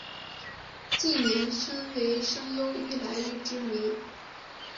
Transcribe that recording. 近年身为声优愈来愈知名。